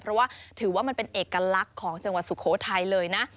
เพราะว่าถือว่ามันเป็นเอกลักษณ์ของจังหวัดสุโขทัยเลยนะ